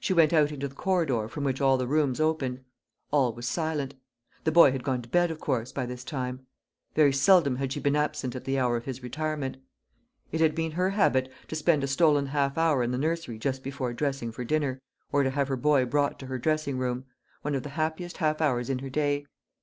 She went out into the corridor from which all the rooms opened. All was silent. The boy had gone to bed, of course, by this time; very seldom had she been absent at the hour of his retirement. It had been her habit to spend a stolen half hour in the nursery just before dressing for dinner, or to have her boy brought to her dressing room one of the happiest half hours in her day.